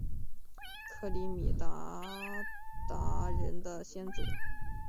克里米亚鞑靼人的先祖？